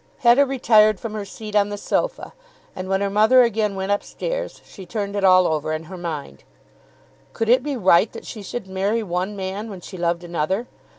Hetta retired from her seat on the sofa, and when her mother again went up stairs she turned it all over in her mind. Could it be right that she should marry one man when she loved another?